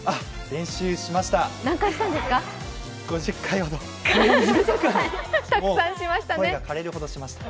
練習しました。